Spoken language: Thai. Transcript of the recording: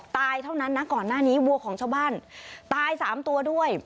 ตายเท่านั้นนะก่อนหน้านี้วัวของชาวบ้านตาย๓ตัวด้วย